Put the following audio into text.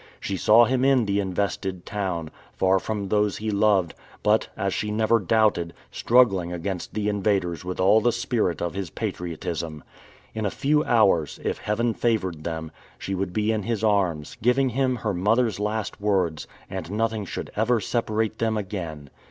She saw him in the invested town, far from those he loved, but, as she never doubted, struggling against the invaders with all the spirit of his patriotism. In a few hours, if Heaven favored them, she would be in his arms, giving him her mother's last words, and nothing should ever separate them again.